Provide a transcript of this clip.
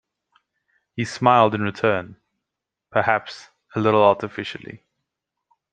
He smiled in return — perhaps a little artificially.